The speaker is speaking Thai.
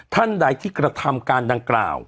ท่านใดที่กระทำการดังกล่าว